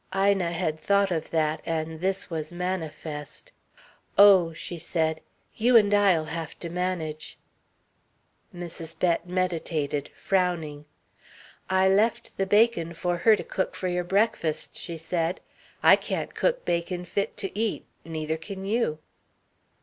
Ina had thought of that, and this was manifest. "Oh," she said, "you and I'll have to manage." Mrs. Bett meditated, frowning. "I left the bacon for her to cook for your breakfasts," she said. "I can't cook bacon fit to eat. Neither can you."